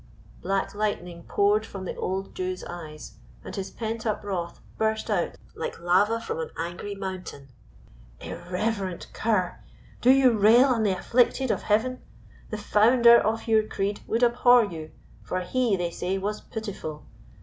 Black lightning poured from the old Jew's eyes, and his pent up wrath burst out like lava from an angry mountain. "Irreverent cur! do you rail on the afflicted of Heaven? The Founder of your creed would abhor you, for He, they say, was pitiful.